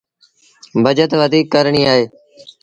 بچت وڌيٚڪ ڪرڻيٚ اهي